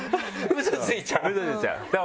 うそついちゃう。